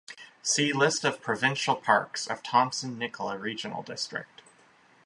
See List of provincial parks of Thompson-Nicola Regional District.